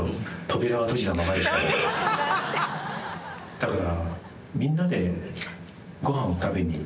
だから。